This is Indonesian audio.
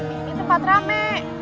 ini tempat rame